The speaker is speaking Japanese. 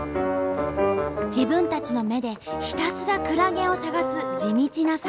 自分たちの目でひたすらクラゲを探す地道な作業。